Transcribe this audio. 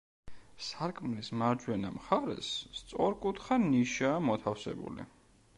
სარკმლის მარჯვენა მხარეს სწორკუთხა ნიშაა მოთავსებული.